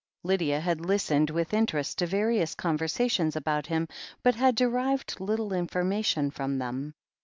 Lydia had listened with interest to various conversations about him, but had derived little informa tion from them.